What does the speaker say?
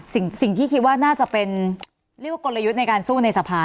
สิ่งที่คิดว่าน่าจะเป็นเรียกว่ากลยุทธ์ในการสู้ในสภา